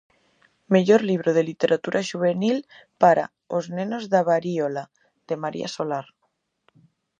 Mellor libro de literatura xuvenil para "Os nenos da varíola", de María Solar.